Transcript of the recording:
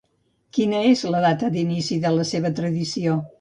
Quina és la data d'inici de la seva tradició?